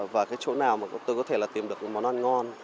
và chỗ nào tôi có thể tìm được món ăn ngon